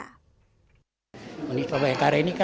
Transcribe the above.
ketua pembina yayasan berata bakti menjelaskan